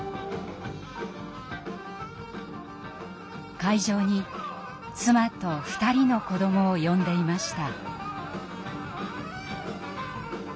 会場に妻と２人の子どもを呼んでいました。